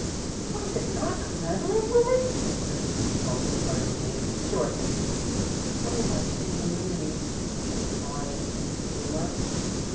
"Was it not clever of Willie?" whispered Mrs. Holmes, admiringly, to Dorothy. "So much ingenuity such a fine sense of humor!"